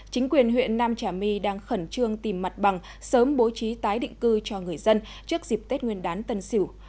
chính quyền huyện nam trà my đang khẩn trương tìm mặt bằng sớm bố trí tái định cư cho người dân trước dịp tết nguyên đán tân sỉu